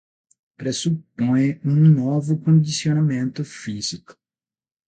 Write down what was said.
Pressupõe um novo condicionamento físico